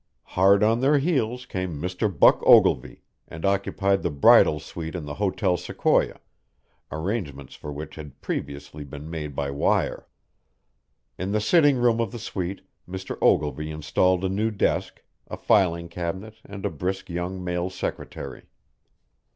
Hard on their heels came Mr. Buck Ogilvy, and occupied the bridal suite in the Hotel Sequoia, arrangements for which had previously been made by wire. In the sitting room of the suite Mr. Ogilvy installed a new desk, a filing cabinet, and a brisk young male secretary.